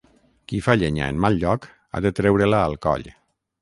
Qui fa llenya en mal lloc, ha de treure-la al coll.